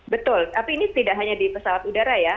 betul tapi ini tidak hanya di pesawat udara ya